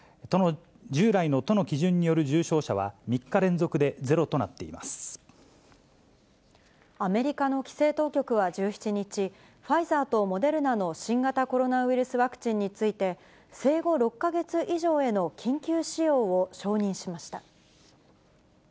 従来の都の基準による重症者は、アメリカの規制当局は１７日、ファイザーとモデルナの新型コロナウイルスワクチンについて、生後６か月以上への緊急使用を承認しました。